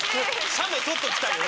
写メ撮っときたいよね。